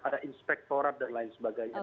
ada inspektorat dan lain sebagainya